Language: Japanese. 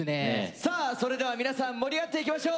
さあそれでは皆さん盛り上がっていきましょう！